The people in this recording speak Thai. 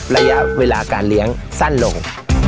ระยะเวลาการเลี้ยงสั้นลง